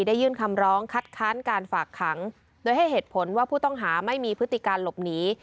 ยื่นคำร้องคัดค้านการฝากขังโดยให้เหตุผลว่าผู้ต้องหาไม่มีพฤติการหลบหนี